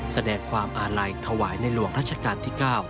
แสดงความอาลัยถวายในหลวงรัชกาลที่๙